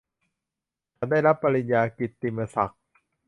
ฉันได้รับปริญญากิตติมศักดิ์